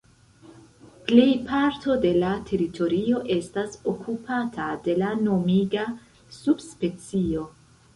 Plej parto de la teritorio estas okupata de la nomiga subspecio.